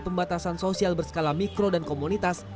pembatasan sosial berskala mikro dan komunitas